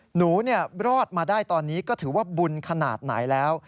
หนูรอดมาได้ตอนนี้ก็ถือว่าบุญขนาดไหนแล้ว